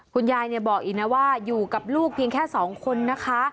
คุณยายบอกอีกนะว่าอยู่กับลูกเพียงแค่๒คนนะคะ